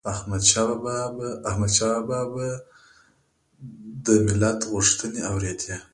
احمدشاه بابا به د ملت غوښتنې اوريدي